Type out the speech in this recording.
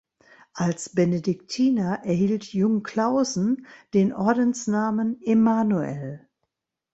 Als Benediktiner erhielt Jungclaussen den Ordensnamen Emmanuel.